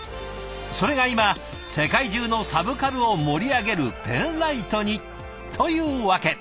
それが今世界中のサブカルを盛り上げるペンライトにというわけ。